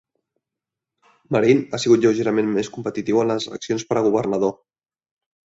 Marin ha sigut lleugerament més competitiu en les eleccions per a governador.